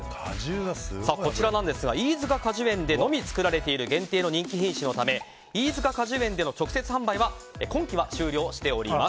こちら、飯塚果樹園でのみ作られている限定の人気品種のため飯塚果樹園での直接販売は今季は終了しております。